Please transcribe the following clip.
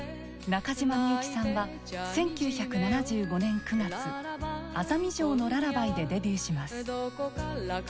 中島みゆきさんは１９７５年９月「アザミ嬢のララバイ」でデビューします。